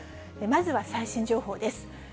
まずは最新情報です。